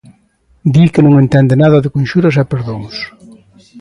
Di que non entende nada de conxuras e perdóns.